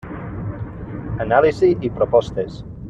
Anàlisi i propostes.